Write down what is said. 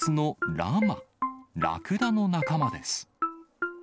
ラクダの仲間です。